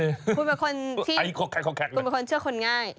คุณเป็นคนที่คุณเป็นคนเชื่อคนง่ายหรือว่าคุณเป็นคนเชื่อคนง่าย